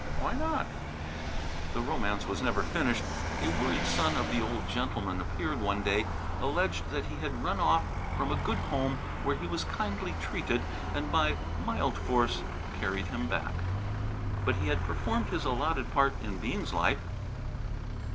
Why not? The romance was never finished. A worried son of the old gentleman appeared one day, alleged that he had run off from a good home where he was kindly treated, and by mild force carried him back. But he had performed his allotted part in Bean's life.